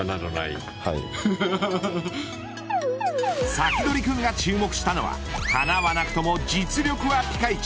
サキドリくんが注目したのは花はなくとも実力はピカイチ。